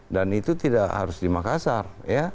dan itu tidak harus di makassar